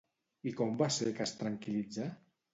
I com va ser que es tranquil·litzà?